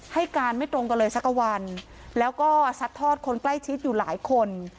ให้การไม่ตรงกันเลยสักกว่าวันแล้วก็ซัดทอดคนใกล้ชิดอยู่หลายคน